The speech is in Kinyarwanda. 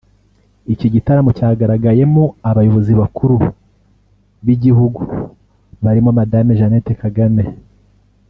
Iki gitaramo cyagaragayemo abayobozi bakuru b’igihugu barimo Madame Jeannette Kagame